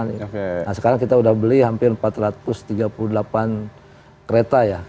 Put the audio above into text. nah sekarang kita sudah beli hampir empat ratus tiga puluh delapan kereta ya